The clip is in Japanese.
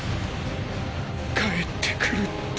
帰ってくるって。